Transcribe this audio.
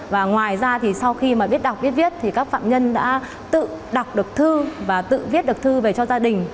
và ngoài ra sau khi biết đọc biết viết các phạm nhân đã tự đọc được thư và tự viết được thư về cho gia đình